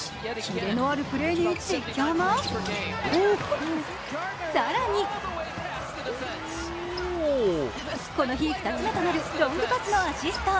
キレのあるプレーに実況も更にこの日２つ目となるロングパスのアシスト。